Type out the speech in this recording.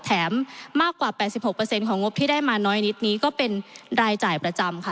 แถมมากกว่า๘๖ของงบที่ได้มาน้อยนิดนี้ก็เป็นรายจ่ายประจำค่ะ